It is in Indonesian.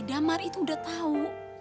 damar itu udah tau